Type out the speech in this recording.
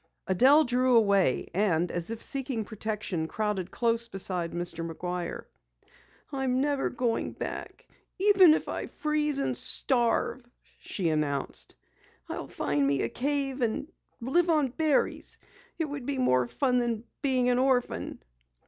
Adelle drew away, and as if seeking protection, crowded close beside Mr. McGuire. "I'm never going back, even if I freeze and starve!" she announced. "I'll find me a cave and live on berries. It would be more fun than being an orphan."